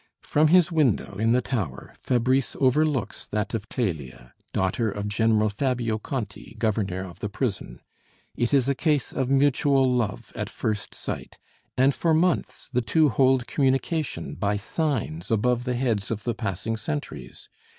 From his window in the tower, Fabrice overlooks that of Clélia, daughter of General Fabio Conti, governor of the prison. It is a case of mutual love at first sight, and for months the two hold communication by signs above the heads of the passing sentries.